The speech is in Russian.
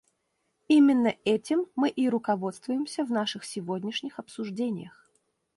Именно этим мы и руководствуемся в наших сегодняшних обсуждениях.